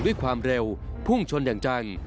ด้วยความเร็วพุ่งชนอย่างจัง